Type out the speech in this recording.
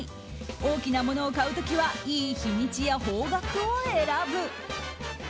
大きなものを買う時はいい日にちや方角を選ぶ。